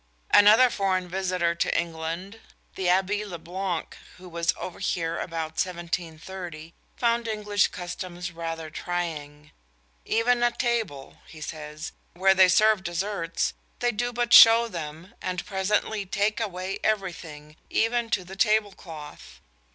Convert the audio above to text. Another foreign visitor to England, the Abbé Le Blanc, who was over here about 1730, found English customs rather trying. "Even at table," he says, "where they serve desserts, they do but show them, and presently take away everything, even to the tablecloth.